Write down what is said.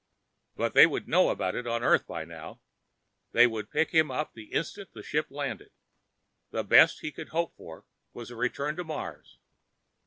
But they would know about it on Earth by now. They would pick him up the instant the ship landed. And the best he could hope for was a return to Mars.